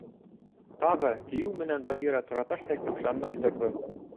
— Тағы... — тиеү менән Багира тораташтай ҡымшанмай торҙо.